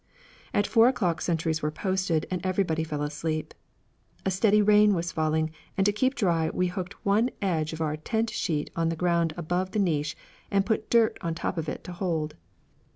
At four o'clock sentries were posted and everybody fell asleep. A steady rain was falling, and to keep dry we hooked one edge of our tent sheet on the ground above the niche and put dirt on top of it to hold.